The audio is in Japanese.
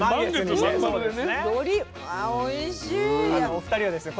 お二人はですね